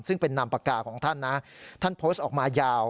ซึ่งเป็นนามปากกาของท่านนะท่านโพสต์ออกมายาว